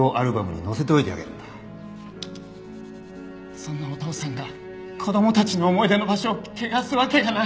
そんなお父さんが子供たちの思い出の場所を汚すわけがない。